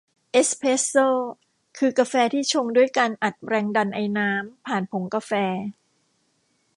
เอสเพรสโซ่ คือกาแฟที่ชงด้วยการอัดแรงดันไอน้ำผ่านผงกาแฟ